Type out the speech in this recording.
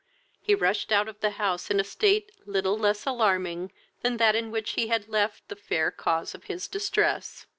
He rushed out of the house in a state little less alarming than that in which he had left the fair cause of his distress.